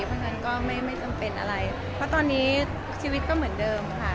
เพราะฉะนั้นก็ไม่จำเป็นอะไรเพราะตอนนี้ทุกชีวิตก็เหมือนเดิมค่ะ